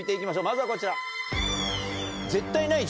まずはこちら。